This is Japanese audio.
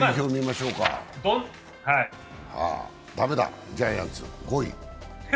駄目だ、ジャイアンツ、５位。